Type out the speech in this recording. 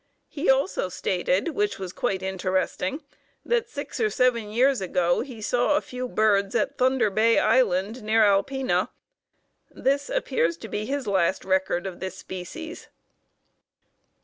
He also stated, which was quite interesting, that six or seven years ago he saw a few birds at Thunder Bay Island, near Alpena. This appears to be his last record of this species.